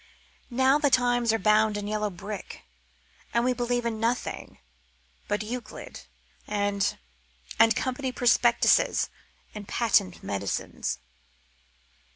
Now the times are bound in yellow brick, and we believe in nothing but ... Euclid and and company prospectuses and patent medicines."